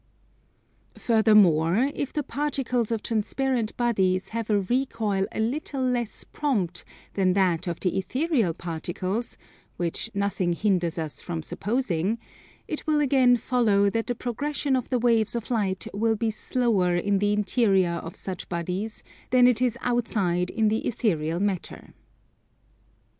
Furthermore, if the particles of transparent bodies have a recoil a little less prompt than that of the ethereal particles, which nothing hinders us from supposing, it will again follow that the progression of the waves of light will be slower in the interior of such bodies than it is outside in the ethereal matter.